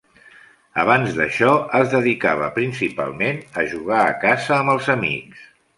Abans d'això, es dedicava, principalment, a jugar a casa amb els amics.